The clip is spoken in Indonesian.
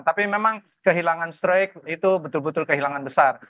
tapi memang kehilangan strike itu betul betul kehilangan besar